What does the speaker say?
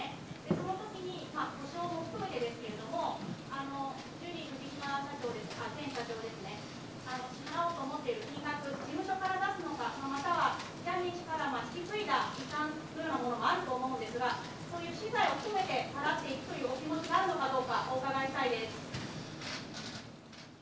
そのときに補償も含めてですけれども、ジュリー藤島前社長ですね、支払おうと思っている金額、事務所から出すのか、またはジャニー氏から引き継いだ遺産もあると思うんですが、そういう私財を含めて払っていくというお気持ちがあるのかどうか、お伺いしたいです。